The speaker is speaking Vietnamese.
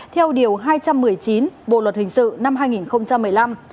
theo điều hai trăm một mươi chín bộ luật hình sự năm hai nghìn một mươi năm